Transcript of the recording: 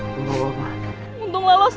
syukurlah syukurnya apa apa